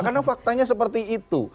karena faktanya seperti itu